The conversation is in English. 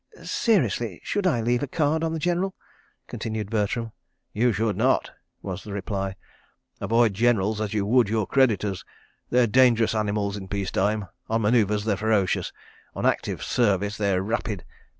"Seriously—should I leave a card on the General?" continued Bertram. "You should not," was the reply. "Avoid Generals as you would your creditors. They're dangerous animals in peace time. On manœuvres they're ferocious. On active service they're rapid.